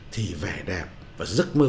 thì vẻ đẹp và giấc mơ